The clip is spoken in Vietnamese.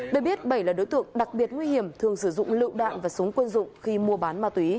được biết bảy là đối tượng đặc biệt nguy hiểm thường sử dụng lựu đạn và súng quân dụng khi mua bán ma túy